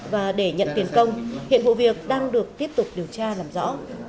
và để nhận tiền công hiện vụ việc đang được tiếp tục điều tra làm rõ